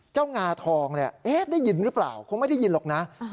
งาทองเนี่ยได้ยินหรือเปล่าคงไม่ได้ยินหรอกนะ